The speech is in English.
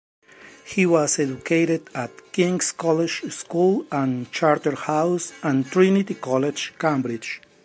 He was educated at King's College School and Charterhouse, and Trinity College, Cambridge.